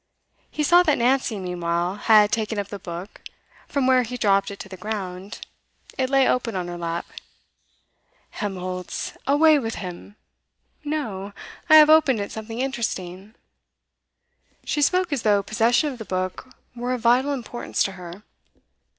He saw that Nancy, meanwhile, had taken up the book from where he dropped it to the ground; it lay open on her lap. 'Helmholtz! Away with him!' 'No; I have opened at something interesting.' She spoke as though possession of the book were of vital importance to her.